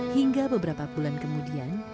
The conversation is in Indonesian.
hingga beberapa bulan kemudian